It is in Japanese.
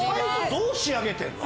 どう仕上げてるの？